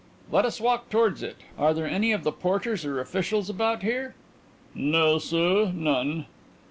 "Let us walk towards it. Are there any of the porters or officials about here?" "No, sir; none."